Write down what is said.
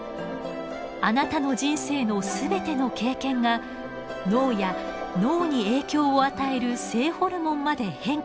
あなたの人生の全ての経験が脳や脳に影響を与える性ホルモンまで変化させます。